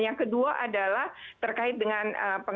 yang kedua adalah terkait dengan